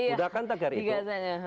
sudah kan tagar itu